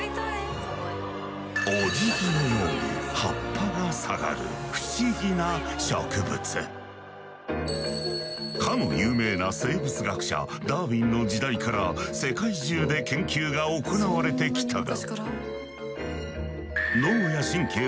おじぎのように葉っぱが下がるかの有名な生物学者ダーウィンの時代から世界中で研究が行われてきたが。